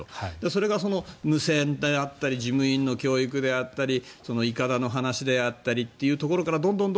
それが無線であったり事務員の教育であったりいかだの話であったりというところからどんどん。